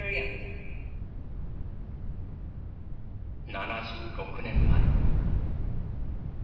７６年前。